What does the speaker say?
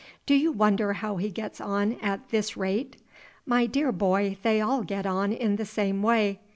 Do you wonder how he gets on at this rate? My dear boy, they all get on in the same way.